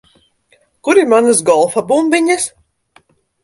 Kur ir manas golfa bumbiņas?